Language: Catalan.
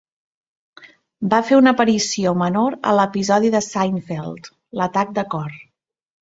Va fer una aparició menor a l'episodi de Seinfeld: "L'atac de cor".